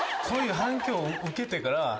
そういう反響を受けてから。